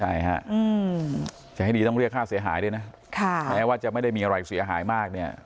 ใช่ฮะจะให้ดีต้องเรียกค่าเสียหายด้วยนะแม้ว่าจะไม่ได้มีอะไรเสียหายมากเนี่ย